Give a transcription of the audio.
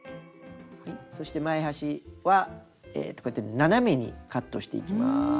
そして前端はこうやって斜めにカットしていきます。